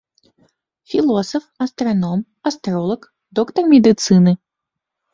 Філосаф, астраном, астролаг, доктар медыцыны.